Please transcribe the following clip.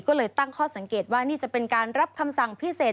ก็เลยตั้งข้อสังเกตว่านี่จะเป็นการรับคำสั่งพิเศษ